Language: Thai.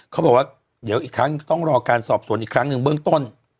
เขาบอกว่าเดี๋ยวอีกครั้งต้องรอการสอบสวนอีกครั้งหนึ่งเบื้องต้น